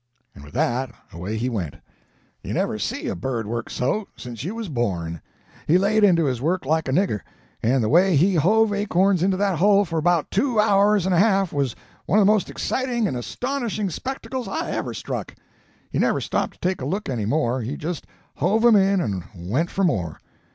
"And with that, away he went. You never see a bird work so since you was born. He laid into his work like a nigger, and the way he hove acorns into that hole for about two hours and a half was one of the most exciting and astonishing spectacles I ever struck. He never stopped to take a look anymore he just hove 'em in and went for more.